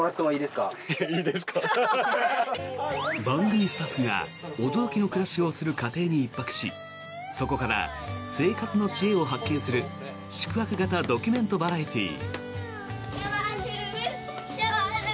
番組スタッフが驚きの暮らしをする家庭に１泊しそこから生活の知恵を発見する宿泊型ドキュメントバラエティー。